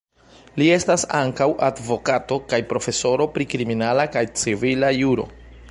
Li estas ankaŭ advokato kaj profesoro pri kriminala kaj civila juro.